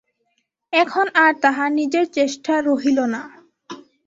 এখন আর তাহার নিজের চেষ্টা রহিল না।